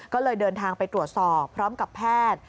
ก็เลยเดินทางไปตรวจสอบพร้อมกับแพทย์